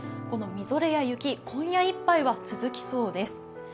このみぞれや雪、今夜いっぱいは続きそうです。